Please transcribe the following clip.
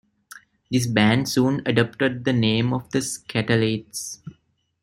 This band soon adopted the name of The Skatalites.